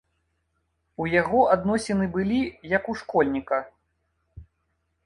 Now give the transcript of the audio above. У яго адносіны былі, як у школьніка.